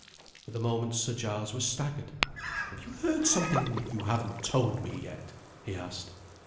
For the moment, Sir Giles was staggered. "Have you heard something that you haven't told me yet?" he asked.